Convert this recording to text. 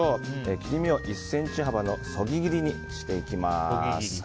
切り身を１ｃｍ幅のそぎ切りにしていきます。